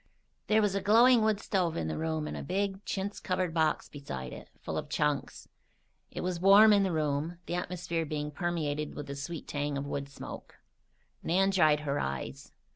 There was a glowing wood stove in the room and a big, chintz covered box beside it, full of "chunks." It was warm in the room, the atmosphere being permeated with the sweet tang of wood smoke. Nan dried her eyes.